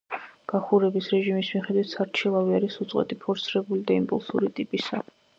გახურების რეჟიმის მიხედვით სარჩილავი არის უწყვეტი, ფორსირებული და იმპულსური ტიპისა.